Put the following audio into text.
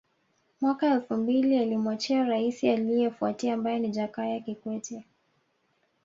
Mwaka elfu mbili alimwachia Raisi aliefuatia ambaye ni Jakaya Kikwete